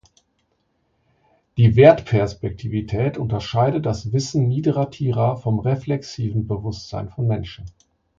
Die Wert-Perspektivität unterscheide das Wissen niederer Tiere vom reflexiven Bewusstsein von Menschen.